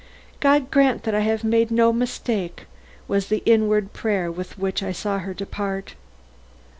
"God grant that I have made no mistake!" was the inward prayer with which I saw her depart.